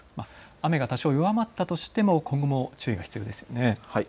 雨が多少弱まったとしても今後、注意が必要ですよね。